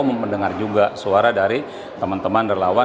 mendengar juga suara dari teman teman relawan